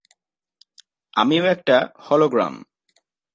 আমিও একটা হলোগ্রাম।